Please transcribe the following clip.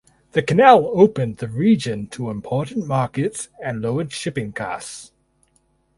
The canal opened the region to important markets and lowered shipping costs.